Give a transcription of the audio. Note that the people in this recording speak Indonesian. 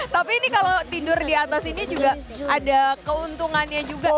tapi ini kalau tidur di atas ini juga ada keuntungannya juga